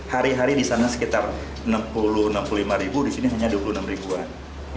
hari hari di sana sekitar enam puluh enam puluh lima ribu di sini hanya dua puluh enam ribuan